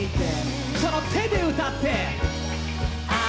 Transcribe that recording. その手で歌って！